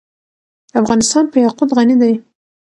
افغانستان په یاقوت غني دی.